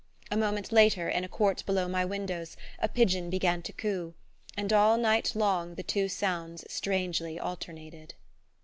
A moment later, in a court below my windows, a pigeon began to coo; and all night long the two sounds strangely alternated...